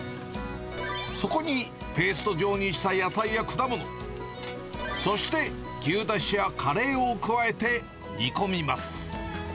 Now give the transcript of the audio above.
そこにペースト状にした野菜や果物、そして牛だしやカレーを加えて煮込みます。